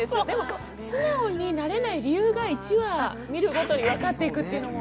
でも、素直になれない理由が１話を見るごとに分かっていく。